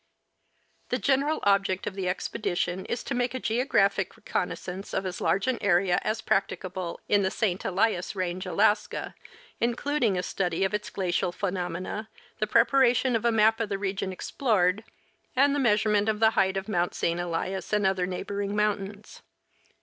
The general object of the expedition is to make a geographic reconnois sance of as large an area as practicable in the St. Elias range, Alaska, in cluding a study of its glacial phenomena, the preparation of a map of the region explored, and the measurement of the height of Mount St. Elias and other neighboring mountains.